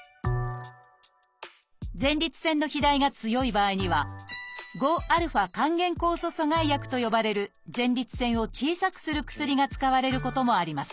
前立腺の肥大が強い場合には「５α還元酵素阻害薬」と呼ばれる前立腺を小さくする薬が使われることもあります。